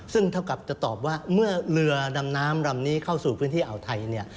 ซึ่งเท่ากับจะตอบว่าเมื่อเรือดำน้ำลำนี้เข้าสู่พื้นที่อ่าวไทยเนี่ย